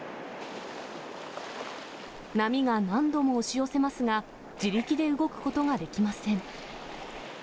波が何度も押し寄せますが、自力で動くことができません。